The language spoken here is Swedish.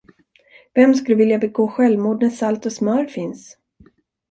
Vem skulle vilja begå självmord när salt och smör finns?